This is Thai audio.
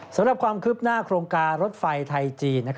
สำหรับความคืบหน้าโครงการรถไฟไทยจีน